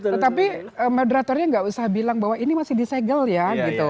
tetapi moderatornya nggak usah bilang bahwa ini masih disegel ya gitu